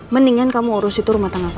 mendingan kamu urus itu rumah tangga mbak